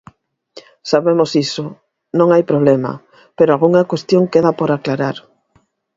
Sabemos iso, non hai problema, pero algunha cuestión queda por aclarar.